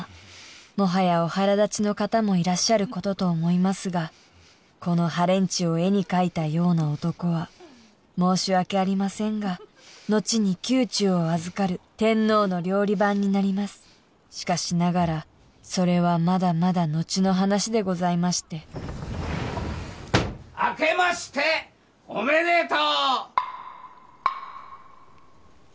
もはやお腹立ちの方もいらっしゃることと思いますがこのハレンチを絵に描いたような男は申し訳ありませんがのちに宮中を預かる天皇の料理番になりますしかしながらそれはまだまだのちの話でございましてあけましておめでとう！